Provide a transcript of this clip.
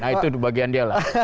itu bagian dia lah